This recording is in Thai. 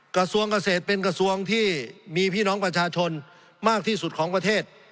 กระทรวงเกษตรเป็นกระทรวงที่มีพี่น้องประชาชนมากที่สุดของประเทศ